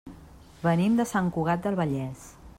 Venim de Sant Cugat del Vallès.